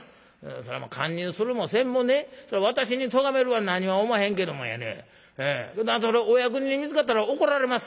「そりゃまあ堪忍するもせんもね私にとがめるは何もおまへんけどもやねお役人に見つかったら怒られまっせ。